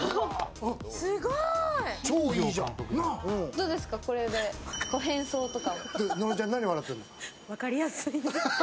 どうですか、これで変装とか？